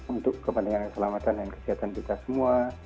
untuk kepentingan keselamatan dan kesehatan kita semua